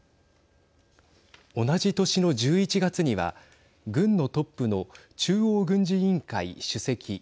同じ年の１１月には軍のトップの中央軍事委員会主席